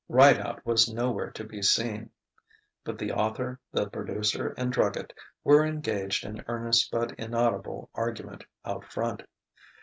Rideout was nowhere to be seen, but the author, the producer, and Druggett were engaged in earnest but inaudible argument "out front."